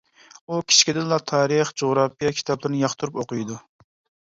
ئۇ كىچىكىدىنلا تارىخ، جۇغراپىيە كىتابلىرىنى ياقتۇرۇپ ئوقۇيدۇ.